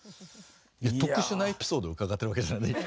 特殊なエピソード伺ってるわけじゃない。